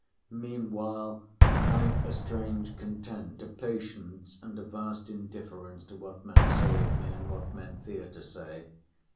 Meanwhile, I've a strange content, A patience, and a vast indifference To what men say of me and what men fear To say.